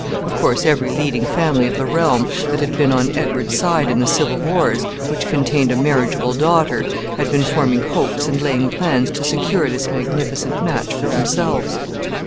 Of course, every leading family of the realm, that had been on Edward's side in the civil wars, which contained a marriageable daughter, had been forming hopes and laying plans to secure this magnificent match for themselves.